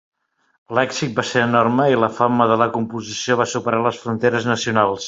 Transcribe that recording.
L'èxit va ser enorme i la fama de la composició va superar les fronteres nacionals.